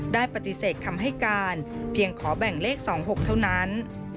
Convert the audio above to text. ได้ปฏิเสธคำให้การเพียงขอแบ่งเลข๒๖เท่านั้น